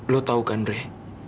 lo tau kan drei